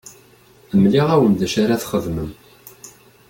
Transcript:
Mliɣ-awen d acu ara txedmem.